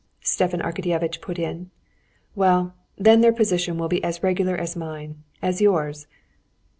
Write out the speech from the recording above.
Stepan Arkadyevitch put in. "Well, then their position will be as regular as mine, as yours."